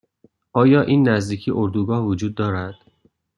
آیا این نزدیکی اردوگاه وجود دارد؟